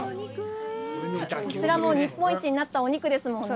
こちらも日本一になったお肉ですもんね？